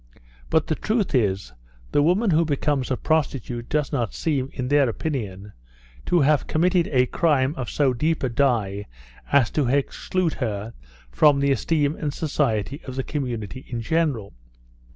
But the truth is, the woman who becomes a prostitute does not seem, in their opinion, to have committed a crime of so deep a dye as to exclude her from the esteem and society of the community in general.